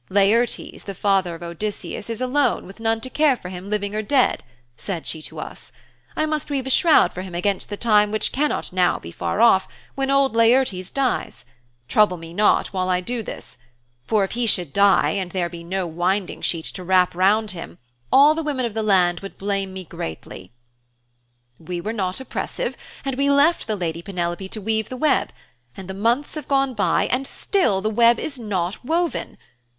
"Laertes, the father of Odysseus, is alone with none to care for him living or dead," said she to us. "I must weave a shroud for him against the time which cannot now be far off when old Laertes dies. Trouble me not while I do this. For if he should die and there be no winding sheet to wrap him round all the women of the land would blame me greatly." 'We were not oppressive and we left the lady Penelope to weave the web, and the months have gone by and still the web is not woven.